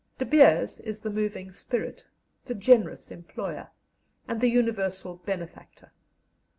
"De Beers" is the moving spirit, the generous employer, and the universal benefactor.